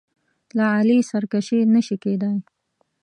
له علي سرکشي نه شي کېدای.